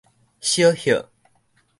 小歇